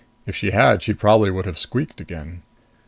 If she had, she probably would have squeaked again.